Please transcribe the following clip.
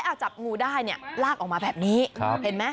ถ้าจับงูได้ลากออกมาแบบนี้เห็นมั้ย